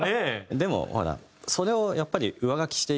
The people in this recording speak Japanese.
でもほらそれをやっぱり恐ろしい。